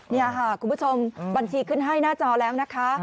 นี่ค่ะคุณผู้ชมบัญชีขึ้นให้หน้าจอแล้วนะคะ